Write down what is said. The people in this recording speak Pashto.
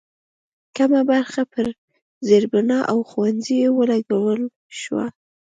کمه برخه یې پر زېربنا او ښوونځیو ولګول شوه.